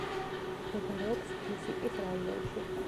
მდებარეობს დუსიტის რაიონში.